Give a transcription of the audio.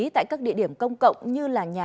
tại các địa điểm công cộng như nhà